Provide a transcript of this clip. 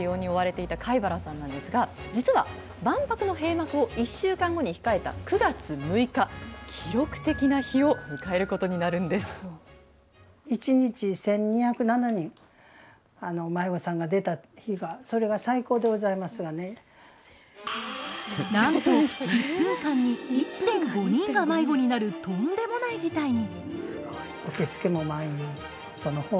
日々、迷子の対応に追われていた飼原さんなんですが、実は万博の閉幕を１週間後に控えた９月６日記録的な日を迎えることに何と１分間に１．５人が迷子になるとんでもない事態に。